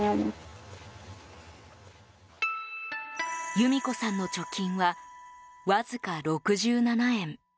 由美子さんの貯金はわずか６７円。